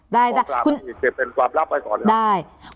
ได้คุณได้